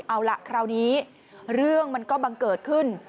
เอาล่ะคราวนี้เรื่องมันก็บังเกิดขึ้น